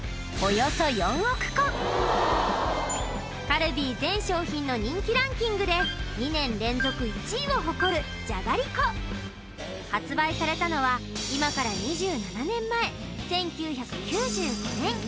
カルビー全商品の人気ランキングで２年連続１位を誇るじゃがりこ発売されたのは今から２７年前１９９５年